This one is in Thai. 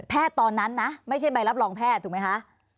ตอนนั้นนะไม่ใช่ใบรับรองแพทย์ถูกไหมคะ